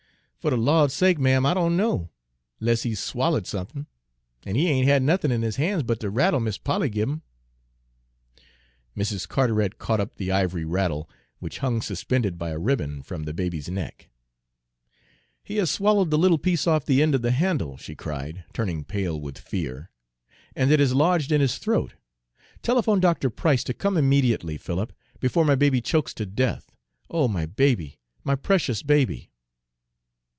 "Fer de Lawd's sake, ma'am, I don' know, 'less he's swallered somethin'; an' he ain' had nothin' in his han's but de rattle Mis' Polly give 'im." Mrs. Carteret caught up the ivory rattle, which hung suspended by a ribbon from the baby's neck. "He has swallowed the little piece off the end of the handle," she cried, turning pale with fear, "and it has lodged in his throat. Telephone Dr. Price to come immediately, Philip, before my baby chokes to death! Oh, my baby, my precious baby!"